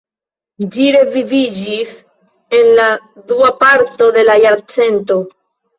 Ĝi reviviĝis en la dua parto de la jarcento.